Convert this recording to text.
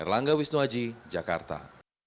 erlangga wisnuaji jakarta